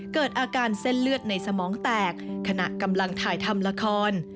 เกิดอาการเส้นเลือดในสมองแตกขณะกำลังถ่ายทำละคร